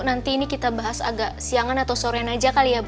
nanti ini kita bahas agak siangan atau soren aja kali ya bu